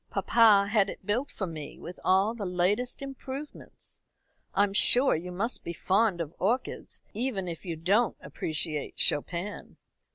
Papa had it built for me with all the latest improvements. I'm sure you must be fond of orchids, even if you don't appreciate Chopin."